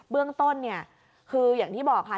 เรื่องต้นเนี่ยคืออย่างที่บอกค่ะ